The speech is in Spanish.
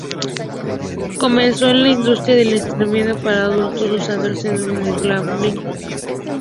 Comenzó en la industria del entretenimiento para adultos usando el seudónimo de Haley Wilde.